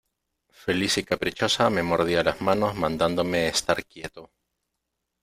feliz y caprichosa me mordía las manos mandándome estar quieto.